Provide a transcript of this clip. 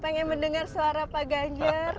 pengen mendengar suara pak ganjar